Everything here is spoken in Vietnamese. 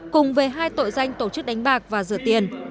cùng về hai tội danh tổ chức đánh bạc và rửa tiền